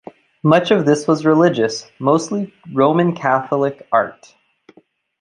Much of this was religious, mostly Roman Catholic art.